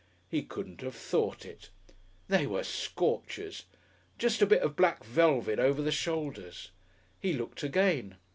He couldn't have thought it! They were scorchers. Jest a bit of black velvet over the shoulders! He looked again.